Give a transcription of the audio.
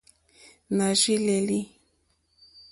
Nà rzí lélí.